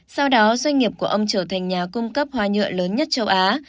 sau đó doanh nghiệp của ông trở thành nhà cung cấp hoa nhựa